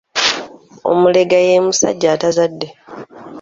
Omulega ye musajja atazadde.